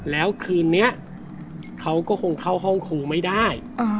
แล้วคืนนี้เขาก็คงเข้าห้องครูไม่ได้